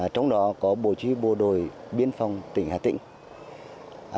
trong đó có bộ chí bộ đội biên phòng tỉnh hà tĩnh